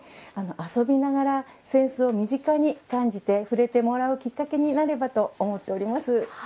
遊びながら扇子を身近に感じて触れてもらうきっかけになればと思っております。